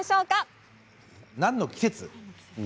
何の季節？